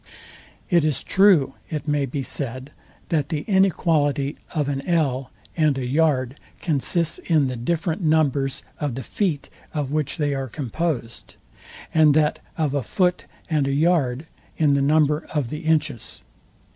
It is true, it may be said, that the inequality of an ell and a yard consists in the different numbers of the feet, of which they are composed; and that of a foot and a yard in the number of the inches.